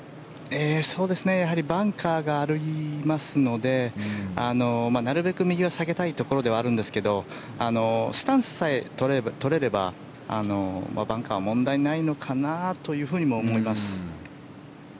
やはりバンカーがありますのでなるべく右は避けたいところですがスタンスさえとれればバンカーは問題ないのかなとも思います。